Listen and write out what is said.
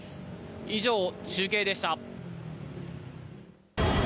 以上、中継でした。